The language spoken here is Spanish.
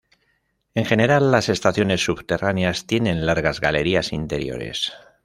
En general, las estaciones subterráneas tienen largas galerías interiores.